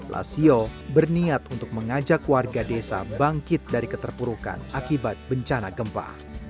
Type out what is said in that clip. lasio berniat untuk mengajak warga desa bangkit dari keterpurukan akibat bencana gempa